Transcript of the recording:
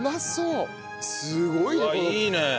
すごいね。